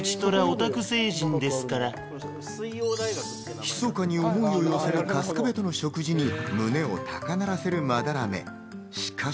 ひそかに思いを寄せた春日部との食事に、胸を高まらせる斑目。